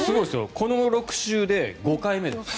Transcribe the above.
この６週で５回目です。